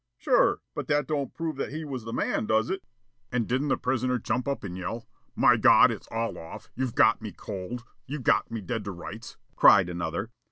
"Sure. But that don't prove that he was the man, does it?" "And didn't the prisoner jump up and yell: 'My God, it's all off! You've got me cold! You've got me dead to rights,'" cried another.